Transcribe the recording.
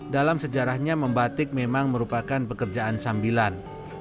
dalam sejarahnya membatik memang merupakan pekerjaan sambilan